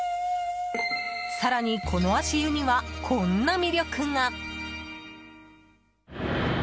更に、この足湯にはこんな魅力が。